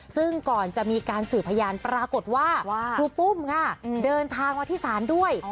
ซึ่งก่อนจะมีการสื่อพยานปรากฏว่าครูปุ้มค่ะเดินทางมาที่ศาลด้วย